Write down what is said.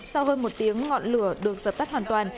sau hơn một tiếng ngọn lửa được dập tắt hoàn toàn